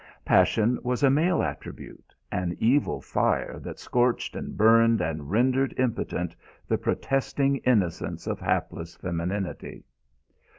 Passion was a male attribute, an evil fire that scorched and burned and rendered impotent the protesting innocence of hapless femininity....